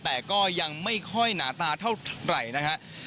แต่ก็ยังไม่ค่อยหนาตาเท่าไหร่นะฮะ